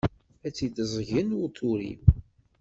Ad tt-id-ẓẓgen ur turiw.